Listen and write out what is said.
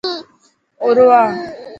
آرو آ.